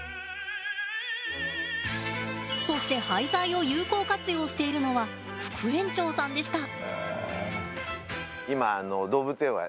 そして廃材を有効活用しているのは副園長さんでした。